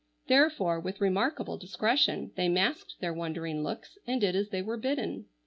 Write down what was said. Therefore with remarkable discretion they masked their wondering looks and did as they were bidden.